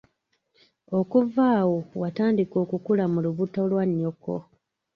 Okuva awo watandika okukula mu lubuto lwa nnyoko.